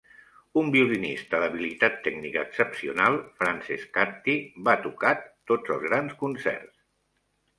Un violinista d'habilitat tècnica excepcional, Francescatti va tocat tots els grans concerts.